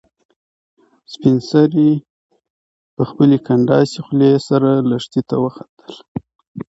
سپین سرې په خپلې کنډاسې خولې سره لښتې ته وخندل.